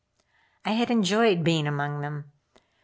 I had enjoyed being among them.